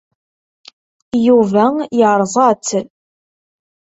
Yuba yerẓa-tt.